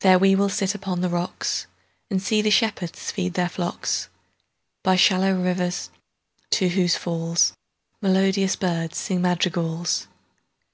There will we sit upon the rocksAnd see the shepherds feed their flocks, By shallow rivers, to whose fallsMelodious birds sing madrigals.